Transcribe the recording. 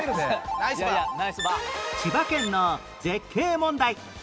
千葉県の絶景問題